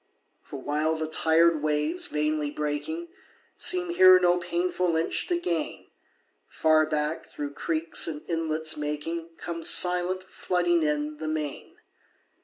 For while the tired waves, vainly breaking, Seem here no painful inch to gain, Far back, through creeks and inlets making, Comes silent, flooding in, the main.